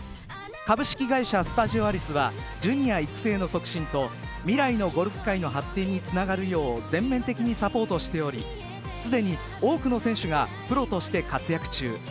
株式会社スタジオアリスはジュニア育成の促進と未来のゴルフ界の発展につながるよう全面的にサポートしており既に多くの選手がプロとして活躍中。